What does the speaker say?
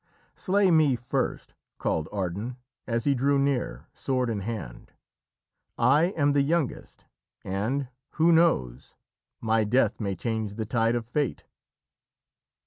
"Slay me first!" called Ardan as he drew near, sword in hand. "I am the youngest, and, who knows, my death may change the tides of fate!"